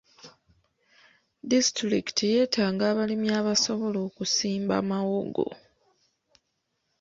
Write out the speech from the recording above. Disitulikiti yeetaaga abalimi abasobola okusimba mawogo.